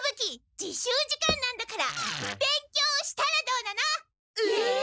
自習時間なんだから勉強したらどうなの？え！？